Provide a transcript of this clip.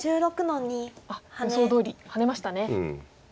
あっ予想どおりハネましたね。